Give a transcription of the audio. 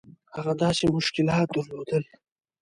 هغه داسې مشکلات درلودل.